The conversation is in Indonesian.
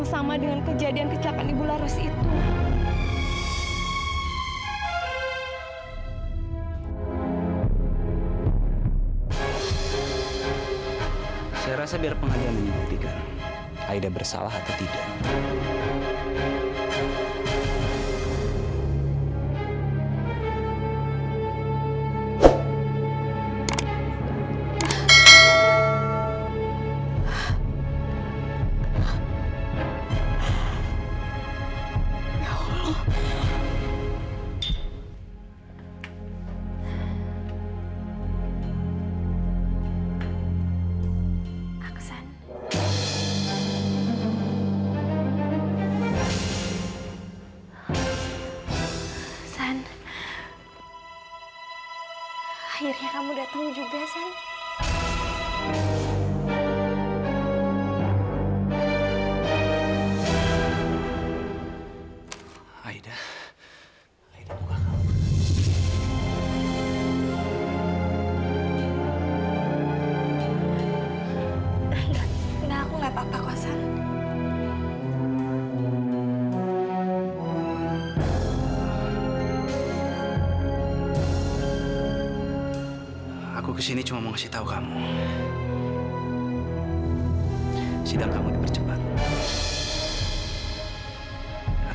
sampai jumpa di video selanjutnya